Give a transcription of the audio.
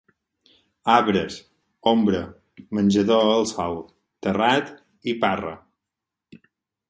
Arbres, ombra, menjador al sol, terrat i parra.